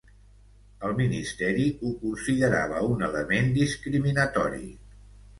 El ministeri ho considerava un element discriminatori.